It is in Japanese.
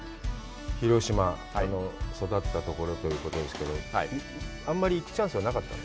広島、育ったところということですけど、あんまり行くチャンスがなかったの？